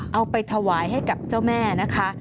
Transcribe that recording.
เอาไปถวายให้กับเจ้าแม่นะคะ